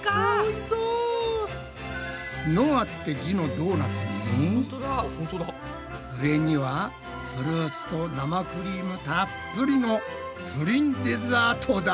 「のあ」って字のドーナツに上にはフルーツと生クリームたっぷりのプリンデザートだ。